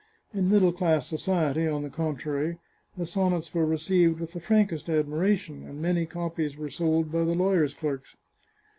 In middle class society, on the contrary, the sonnets were received with the frankest admiration, and many copies were sold by the lawyers' clerks.